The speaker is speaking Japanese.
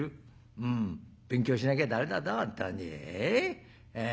うん勉強しなきゃ駄目だぞ本当に。ええ？」。